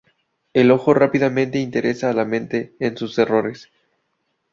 El ojo rápidamente interesa a la mente en sus errores.